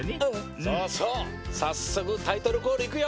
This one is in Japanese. さっそくタイトルコールいくよ！